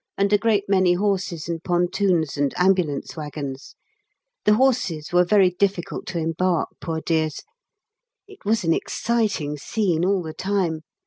and a great many horses and pontoons and ambulance waggons: the horses were very difficult to embark, poor dears. It was an exciting scene all the time.